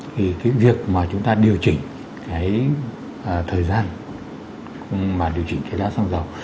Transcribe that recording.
thì việc mà chúng ta điều chỉnh thời gian mà điều chỉnh giá xăng dầu